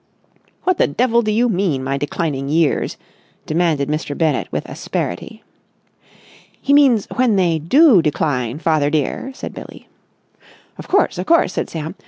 "What the devil do you mean, my declining years?" demanded Mr. Bennett with asperity. "He means when they do decline, father dear," said Billie. "Of course, of course," said Sam.